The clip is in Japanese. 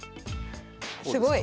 すごい。